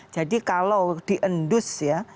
jadi kalau diendus ya